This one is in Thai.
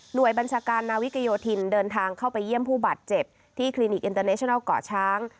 โดยบัญชาการนาวิกโยธินเดินทางเข้าไปเยี่ยมผู้บาดเจ็บที่คลินิกอินเตอร์เนชนัลเกาะช้าง